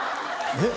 えっ？